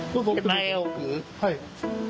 はい。